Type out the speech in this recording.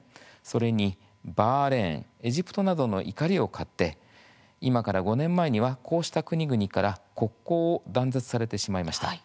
それにバーレーンエジプトなどの怒りを買って今から５年前にはこうした国々から国交を断絶されてしまいました。